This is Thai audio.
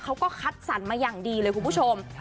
เขาก็คัดสรรมาอย่างดีเลยคุณผู้ชม